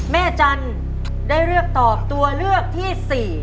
แม่จันทร์ได้เลือกตอบตัวเลือกที่๔